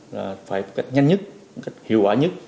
là phải cách nhanh nhất cách hiệu quả nhất